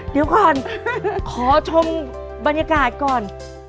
เดี๋ยวก่อนขอชมบรรยากาศก่อน